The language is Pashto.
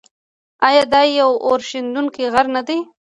آیا دا یو اورښیندونکی غر نه دی؟